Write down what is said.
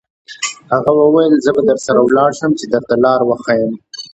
هغه وویل: زه به درسره ولاړ شم، چې درته لار وښیم.